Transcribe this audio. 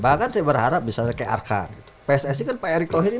bahkan saya berharap misalnya kayak arkan